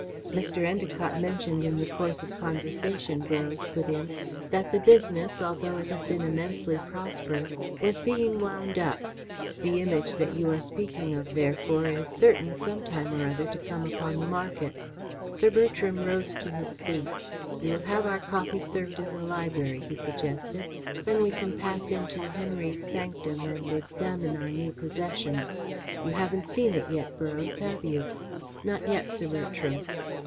"Mr. Endacott mentioned in the course of conversation," Borroughes put in, "that the business, although it had been immensely prosperous, was being wound up. The Image that you are speaking of, therefore, is certain some time or other to come upon the market." Sir Bertram rose to his feet. "We will have our coffee served in the library," he suggested. "Then we can pass into Henry's sanctum and examine our new possession. You haven't seen it yet, Borroughes, have you?" "Not yet, Sir Bertram."